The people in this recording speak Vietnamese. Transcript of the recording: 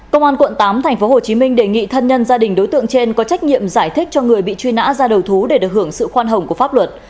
công an quận tám tp hcm đề nghị thân nhân gia đình đối tượng trên có trách nhiệm giải thích cho người bị truy nã ra đầu thú để được hưởng sự khoan hồng của pháp luật